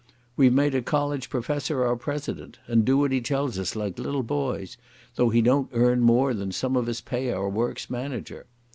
We've made a college professor our President, and do what he tells us like little boys, though he don't earn more than some of us pay our works' manager.